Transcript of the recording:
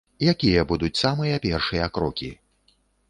Якія будуць самыя першыя крокі?